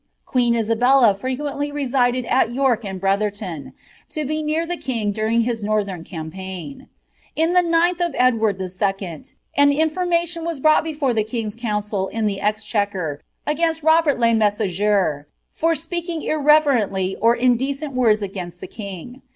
Queen Isabella frequently resided at York and Bniihi>ruin. lo be near the king during liis nurihem campaign. In the ninth i>f U ward 11. an information was brouglil before ihe king's rouocil m the exchetguer, agaioal Robert le Messoger, for speaking irreverent or indr cent words against the king.